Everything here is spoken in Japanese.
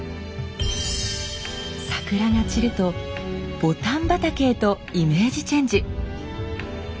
桜が散ると牡丹畑へとイメージチェンジ！